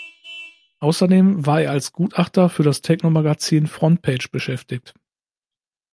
Außerdem war er als Gutachter für das Techno-Magazin Frontpage beschäftigt.